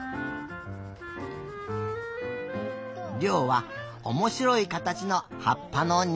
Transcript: りょうはおもしろいかたちのはっぱのニュース。